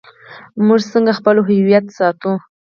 موږ څنګه خپل هویت ساتو؟